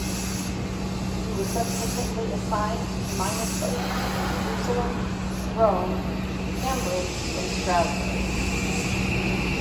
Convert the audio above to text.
He was subsequently assigned to minor posts in Jerusalem, Rome, Cambridge and Strasbourg.